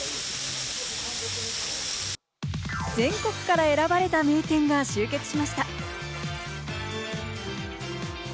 全国から選ばれた名店が集結しました。